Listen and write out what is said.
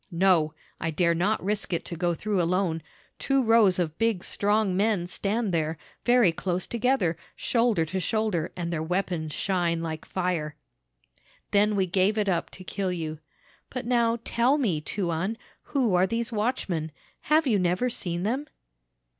"No, I dare not risk it to go through alone; two rows of big, strong men stand there, very close together, shoulder to shoulder, and their weapons shine like fire." "Then we gave it up to kill you. But now, tell me, tuan, who are these watchmen? Have you never seen them?"